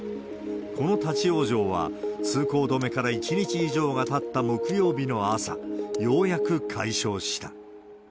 この立往生は、通行止めから１日以上がたった木曜日の朝、ようやく解消した。